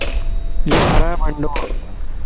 يو خراب ھنڊوَ